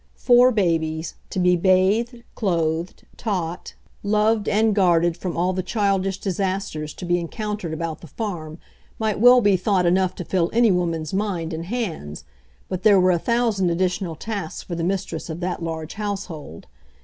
Four babies, to be bathed, clothed, taught, ONE SUMMER'S DAY 5 loved and guarded from all the childish disasters to be encountered about the farm, might well be thought enough to fill any woman's mind and hands, but there were a thousand additional tasks for the mistress of that large household.